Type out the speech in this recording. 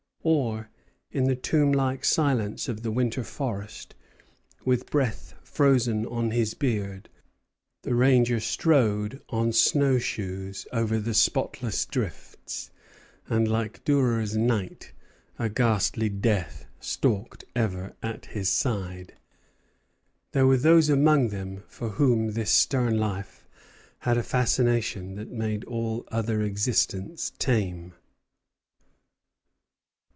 Or, in the tomb like silence of the winter forest, with breath frozen on his beard, the ranger strode on snow shoes over the spotless drifts; and, like Dürer's knight, a ghastly death stalked ever at his side. There were those among them for whom this stern life had a fascination that made all other existence tame.